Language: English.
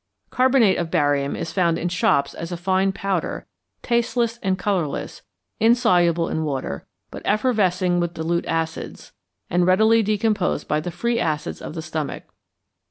=Carbonate of Barium= is found in shops as a fine powder, tasteless and colourless, insoluble in water, but effervescing with dilute acids, and readily decomposed by the free acids of the stomach.